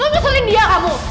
lu seling dia kamu